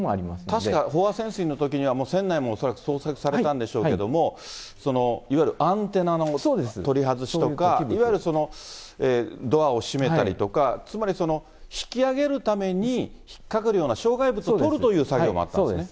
確か飽和潜水のときには、船内も恐らく捜索されたんでしょうけども、いわゆるアンテナの取り外しとか、いわゆるそのドアを閉めたりとか、つまり引き揚げるために引っかくような障害物を取るという作業もあったんですね。